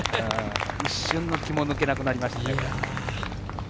一瞬の気も抜けなくなりました。